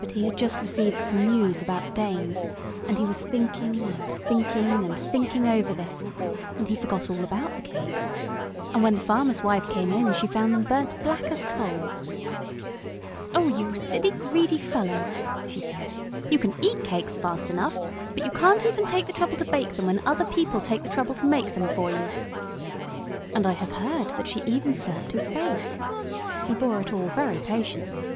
But he had just received some news about the Danes, and he was thinking and thinking and thinking over this, and he forgot all about the cakes, and when the farmer's wife came in she found them burnt black as coal. "Oh, you silly, greedy fellow," she said, "you can eat cakes fast enough; but you can't even take the trouble to bake them when other people take the trouble to make them for you." And I have heard that she even slapped his face. He bore it all very patiently.